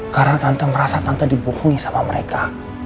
karena tante merasa tante dibohongi sama mereka